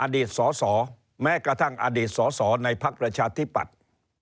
อดีตสสแม้กระทั่งอดีตสอสอในภักดิ์ประชาธิปัตย์